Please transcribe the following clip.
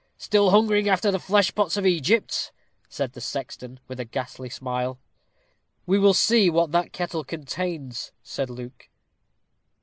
"Still hungering after the fleshpots of Egypt," said the sexton, with a ghastly smile. "We will see what that kettle contains," said Luke.